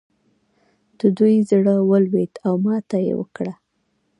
د دوی زړه ولوېد او ماته یې وکړه.